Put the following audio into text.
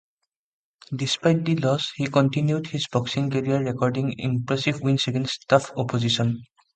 Despite the loss, he continued his boxing career recording impressive wins against tough opposition.